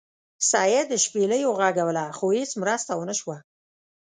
سید شپیلۍ وغږوله خو هیڅ مرسته ونه شوه.